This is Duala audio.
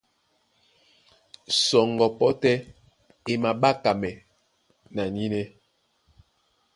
Sɔŋgɔ pɔ́ tɛ́ e maɓákámɛ́ na nínɛ́.